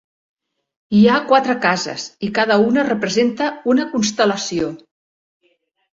Hi ha quatre cases i cada una representa una constel·lació.